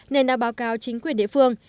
nên đã báo cáo chính quyền địa phương